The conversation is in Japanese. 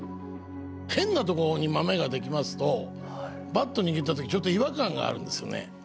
変なところにマメができますとバット握った時にちょっと違和感があるんですよね。